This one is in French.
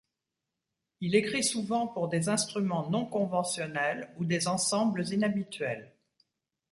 Il écrit souvent pour des instruments non conventionnels ou des ensembles inhabituels.